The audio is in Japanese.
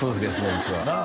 うちはなあ